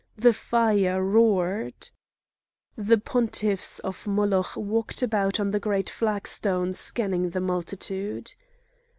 The fire roared. The pontiffs of Moloch walked about on the great flagstone scanning the multitude.